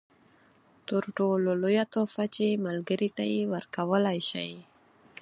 تر ټولو لویه تحفه چې ملګري ته یې ورکولای شئ.